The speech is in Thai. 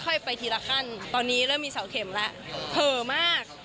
ไปทีละขั้นตอนนี้เริ่มมีเสาเข็มแล้วเผลอมาก